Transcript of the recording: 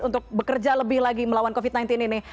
untuk bekerja lebih lagi melawan covid sembilan belas ini